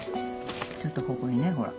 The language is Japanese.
ちょっとここにねほら。